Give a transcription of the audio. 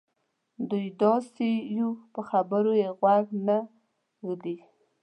دوی داسې یوو په خبرو یې غوږ نه ږدي.